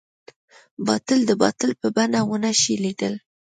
باطل د باطل په بڼه ونه شي ليدلی.